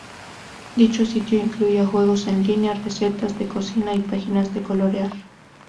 Dicho sitio incluía juegos en línea, recetas de cocina y páginas de colorear.